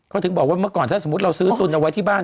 เขาถึงบอกว่าเมื่อก่อนถ้าสมมุติเราซื้อตุนเอาไว้ที่บ้าน